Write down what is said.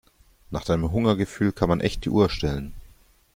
Nach deinem Hungergefühl kann man echt die Uhr stellen.